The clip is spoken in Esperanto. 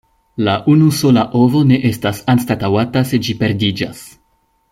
La unusola ovo ne estas anstataŭata se ĝi perdiĝas.